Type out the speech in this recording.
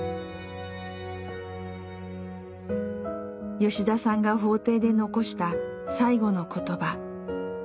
吉田さんが法廷で残した最後の言葉。